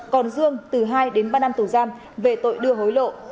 còn dương từ hai đến ba năm tù giam về tội đưa hối lộ